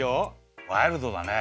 ワイルドだね。